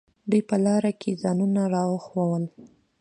دوى په لاره کښې ځايونه راښوول.